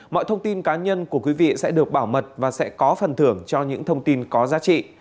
mọi thông tin cá nhân của quý vị sẽ được bảo mật và sẽ có phần thưởng cho những thông tin có giá trị